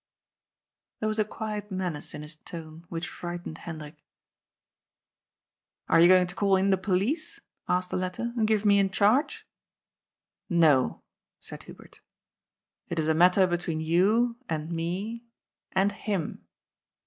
There was a quiet menace in his tone which frightened Hendrik. ^' Are you going to call in the police," asked the latter, " and give me in charge ?"" No," said Hubert. " It is a matter between you and me and — him."